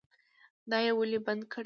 دا یې ولې بندي کړي؟